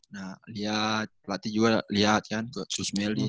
nah liat pelatih juga liat kan ke kudsmeli